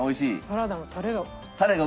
サラダのタレが。